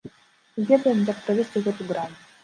Мы ведаем, як правесці гэту грань.